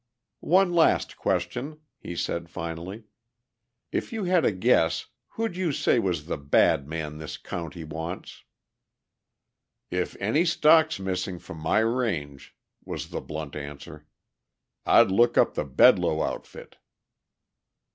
"One last question," he said finally. "If you had a guess who'd you say was the bad man this county wants?" "If any stock's missing from my range," was the blunt answer, "I'd look up the Bedloe outfit."